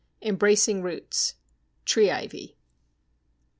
Embracing roots Tree ivy.